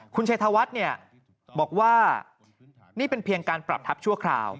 คุณชัยธวัฒน์บอกว่านี่เป็นเพียงการปรับทัพชั่วคราว